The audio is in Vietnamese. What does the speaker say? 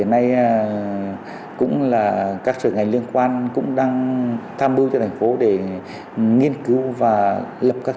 hiện nay cũng là các sở ngành liên quan cũng đang tham mưu cho thành phố để nghiên cứu và lập các